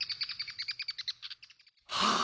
はあ？